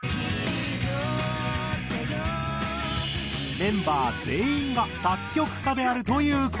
メンバー全員が作曲家であるという事。